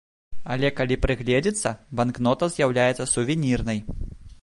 Але калі прыгледзецца, банкнота з'яўляецца сувенірнай.